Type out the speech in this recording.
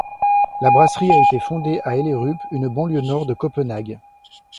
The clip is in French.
La brasserie a été fondée à Hellerup, une banlieue nord de Copenhague.